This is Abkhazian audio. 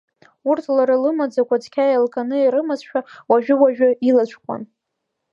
Урҭ лара лымаӡақәа цқьа еилкааны ирымазшәа, уажәы-уажәы илацәҟәуан.